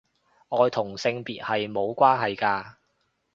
愛同性別係無關係㗎